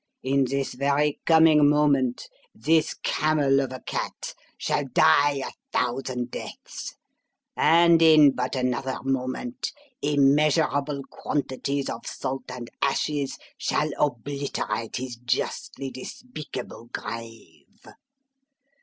In this very coming moment this camel of a cat shall die a thousand deaths; and in but another moment immeasurable quantities of salt and ashes shall obliterate his justly despicable grave!